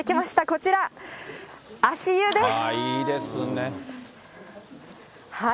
こちら、足湯です。